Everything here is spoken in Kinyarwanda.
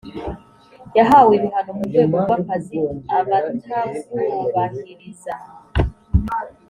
yahawe ibihano mu rwego rw’akazi abatabwubahiriza